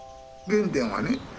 原点はね